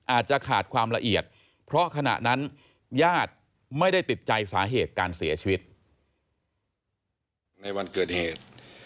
อาจจะขาดความละเอียดเพราะขณะนั้นญาติไม่ได้ติดใจสาเหตุการเสียชีวิต